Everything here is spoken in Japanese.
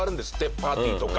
パーティーとか。